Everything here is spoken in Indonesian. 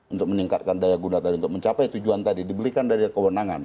untuk meningkatkan daya guna tadi untuk mencapai tujuan tadi dibelikan dari kewenangan